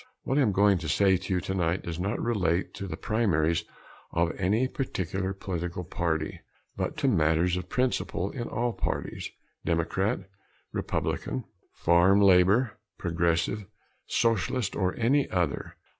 What I am going to say to you tonight does not relate to the primaries of any particular political party, but to matters of principle in all parties Democratic, Republican, Farmer Labor, Progressive, Socialist or any other.